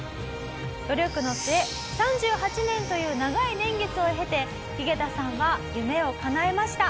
「努力の末３８年という長い年月を経てユゲタさんは夢をかなえました」